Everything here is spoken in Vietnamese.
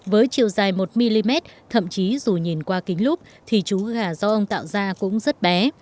với chiều dài một mm thậm chí dù nhìn qua kính lúc thì chú gà do ông tạo ra cũng rất bé